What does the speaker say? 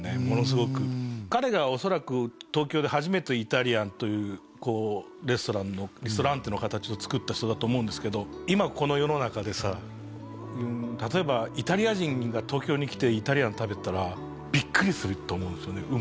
ものすごく彼が恐らく東京で初めてイタリアンというレストランのリストランテの形を作った人だと思うんですけど今この世の中でさ例えばイタリア人が東京に来てイタリアン食べたらびっくりすると思うんですよね